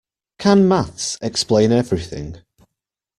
Can maths explain everything?